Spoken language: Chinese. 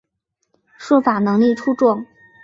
术法能力出众。